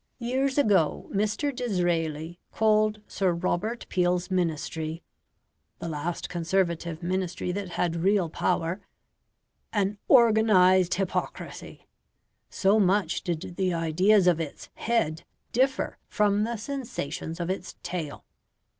Years ago Mr. Disraeli called Sir Robert Peel's Ministry the last Conservative Ministry that had real power "an organised hypocrisy," so much did the ideas of its "head" differ from the sensations of its "tail".